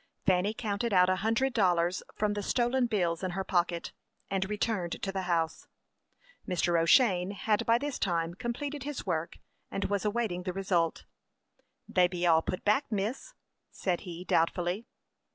Fanny counted out a hundred dollars from the stolen bills in her pocket, and returned to the house. Mr. O'Shane had by this time completed his work, and was awaiting the result. "They be all put back, miss," said he, doubtfully.